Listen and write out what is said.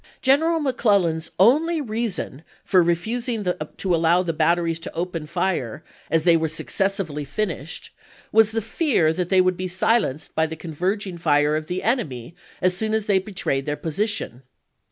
General McClellan's only reason for refusing to allow the batteries to open fire as they were sue YOEKTOWN 373 cessively finished was the fear that they would be chap. xx. silenced by the converging fire of the enemy as soon as they betrayed their position.